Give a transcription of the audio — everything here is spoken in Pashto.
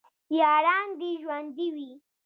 یاران دې ژوندي وي